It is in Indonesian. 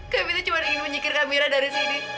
kayak evita cuma ingin menyikirkan mira dari sini